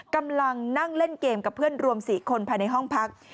กำลังนั่งเล่นเกมกับเพื่อนรวม๔คนภายในห้องพัก